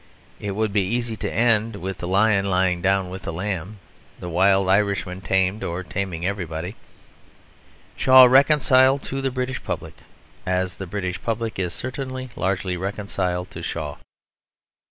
It would be easy to end with the lion lying down with the lamb, the wild Irishman tamed or taming everybody, Shaw reconciled to the British public as the British public is certainly largely reconciled to Shaw.